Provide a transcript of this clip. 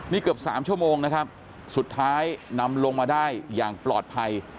นี่เกือบ๓ชั่วโมงนะครับสุดท้ายนำลงมาได้อย่างปลอดภัย